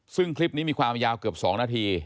ซึ่งคลิปนี้มีความยาวเกือบ๒นาที